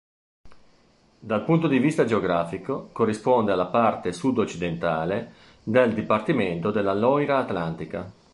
Dal punto di vista geografico, corrisponde alla parte sud-occidentale del dipartimento della Loira atlantica.